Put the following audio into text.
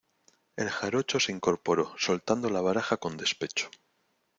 el jarocho se incorporó, soltando la baraja con despecho: